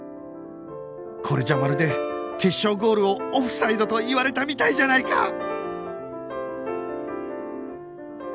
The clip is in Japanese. これじゃまるで決勝ゴールをオフサイドと言われたみたいじゃないか！